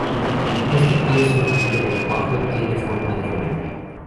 Este queso libre de cuajo tiene forma de rollo.